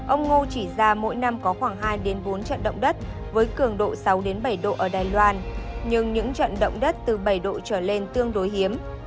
ông ngô chỉ ra mỗi năm có khoảng hai bốn trận động đất với cường độ sáu bảy độ ở đài loan nhưng những trận động đất từ bảy độ trở lên tương đối hiếm